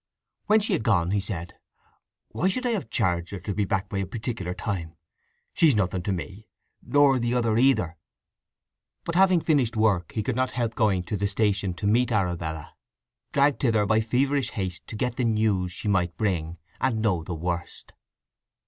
When she had gone he said: "Why should I have charged her to be back by a particular time! She's nothing to me—nor the other neither!" But having finished work he could not help going to the station to meet Arabella, dragged thither by feverish haste to get the news she might bring, and know the worst.